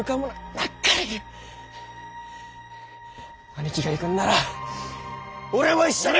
あにきが行ぐんなら俺も一緒に。